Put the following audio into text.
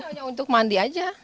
ya paling hanya untuk mandi aja